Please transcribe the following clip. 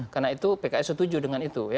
karena itu pks setuju dengan itu